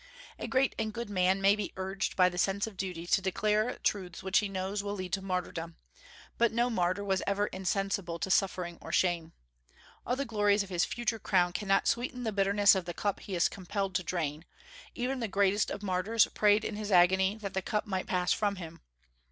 A great and good man may be urged by the sense of duty to declare truths which he knows will lead to martyrdom; but no martyr was ever insensible to suffering or shame. All the glories of his future crown cannot sweeten the bitterness of the cup he is compelled to drain; even the greatest of martyrs prayed in his agony that the cup might pass from him.